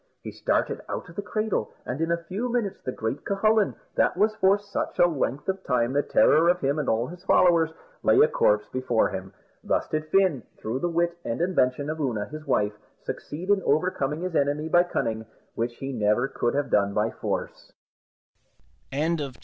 He started out of the cradle, and in a few minutes the great Cucullin, that was for such a length of time the terror of him and all his followers, lay a corpse before him. Thus did Fin, through the wit and invention of Oonagh, his wife, succeed in overcoming his enemy by cunning, which he never could have done by force.